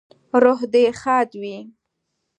روح دې ښاد وي